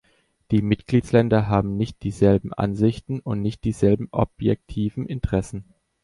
Die Mitgliedsländer haben nicht dieselben Ansichten und nicht dieselben objektiven Interessen.